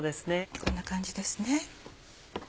こんな感じですね。